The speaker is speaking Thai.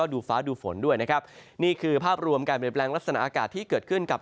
ดูฝนด้วยนะครับนี่คือภาพรวมการแบบแรงลักษณะอากาศที่เกิดขึ้นกับ